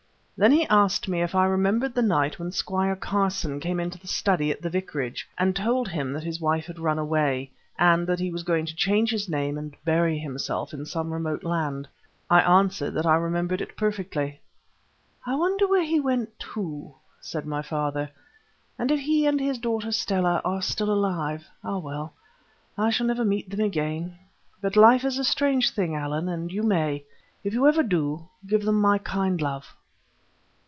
Then he asked me if I remembered the night when Squire Carson came into the study at the vicarage, and told him that his wife had run away, and that he was going to change his name and bury himself in some remote land. I answered that I remembered it perfectly. "I wonder where he went to," said my father, "and if he and his daughter Stella are still alive. Well, well! I shall never meet them again. But life is a strange thing, Allan, and you may. If you ever do, give them my kind love."